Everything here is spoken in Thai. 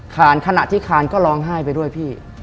ขณะที่คานก็ร้องไห้ไปด้วยพี่